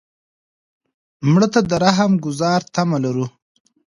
مړه ته د رحم ګذار تمه لرو